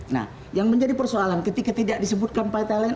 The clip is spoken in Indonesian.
nah yang menjadi persoalan ketika tidak disebutkan partai lain